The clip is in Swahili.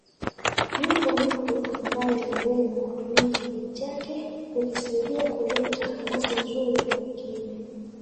Yupo mtu ambaye anaweza kutumia kipaji chake kikasaidia kuleta hamasa nzuri kwa wengine